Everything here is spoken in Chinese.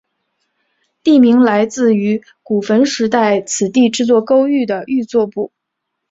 地名来自于古坟时代此地制作勾玉的玉作部。